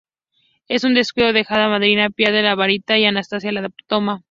En un descuido el Hada Madrina pierde su varita y Anastasia la toma.